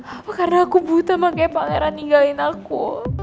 apa karena aku butuh makanya pangeran ninggalin aku